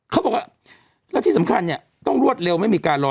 เขาบอกว่าแล้วที่สำคัญเนี่ยต้องรวดเร็วไม่มีการรอ